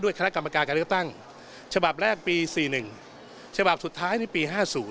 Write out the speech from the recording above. คณะกรรมการการเลือกตั้งฉบับแรกปี๔๑ฉบับสุดท้ายในปี๕๐